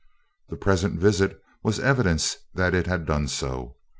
The present visit was evidence that it had done so.